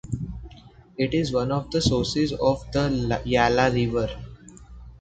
It is one of the sources of the Yala River.